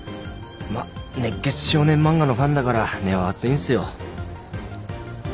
まっ熱血少年漫画のファンだから根は熱いんすよ。